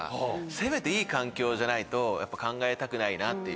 せめていい環境じゃないと考えたくないなっていう。